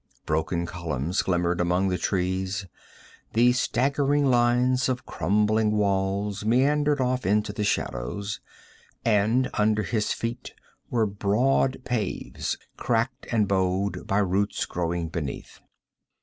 Broken columns glimmered among the trees, the straggling lines of crumbling walls meandered off into the shadows, and under his feet were broad paves, cracked and bowed by roots growing beneath.